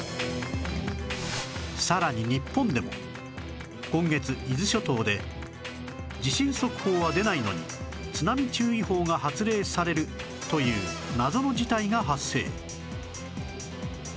さらに日本でも今月伊豆諸島で地震速報は出ないのに津波注意報が発令されるという謎の事態が発生